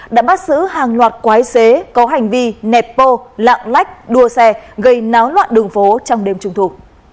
đã bắt giữ hàng loạt quái xế có hành vi nẹt bô lạng lách đua xe gây náo loạn đường phố trong đêm trung thu